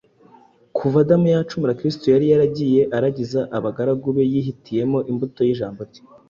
Kuva Adamu yacumura, Kristo yari yaragiye aragiza abagaragu be yihiyitiyemo imbuto y’ijambo rye,